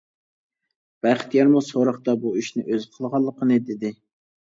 بەختىيارمۇ سوراقتا بۇ ئىشنى ئۆزى قىلغانلىقىنى دېدى.